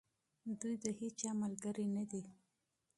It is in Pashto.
دوی د هیچا ملګري نه دي.